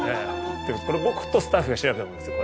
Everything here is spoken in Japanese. これ僕とスタッフが調べたものですよ